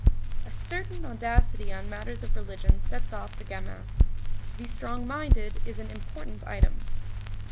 A certain audacity on matters of religion sets off the gamin. To be strong minded is an important item.